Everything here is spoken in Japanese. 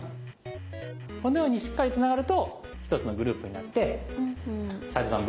このようにしっかりつながると一つのグループになって齋藤さん